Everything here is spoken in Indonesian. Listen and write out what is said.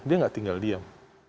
dia tidak tinggal diam